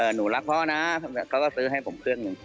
หนูรักพ่อนะเขาก็ซื้อให้ผมเครื่องหนึ่ง